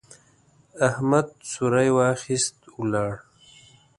احمد څوری واخيست، ولاړ.